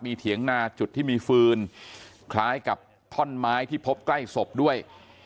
เถียงนาจุดที่มีฟืนคล้ายกับท่อนไม้ที่พบใกล้ศพด้วย